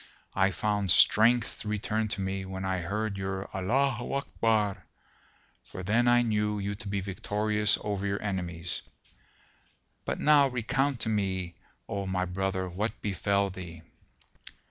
I found strength return to me, when I heard your 'Allaho Akbar,' for then I knew you to be victorious over your enemies. But now recount to me, O my brother, what befel thee."